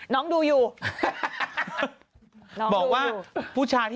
น้องดูอยู่